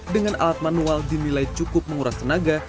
dengan alat manual dinilai cukup menguras tenaga